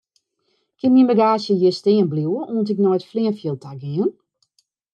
Kin myn bagaazje hjir stean bliuwe oant ik nei it fleanfjild ta gean?